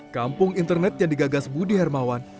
kampung internet yang digagas budi hermawan